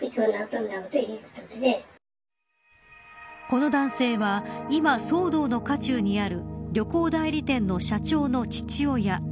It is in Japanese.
この男性は今、騒動の渦中にある旅行代理店の社長の父親。